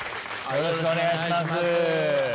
よろしくお願いします。